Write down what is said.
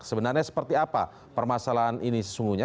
sebenarnya seperti apa permasalahan ini sesungguhnya